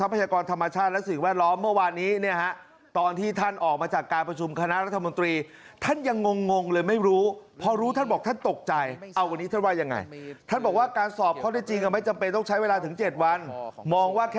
เพื่อกันถูกฟ้องร้องไพร่หลัง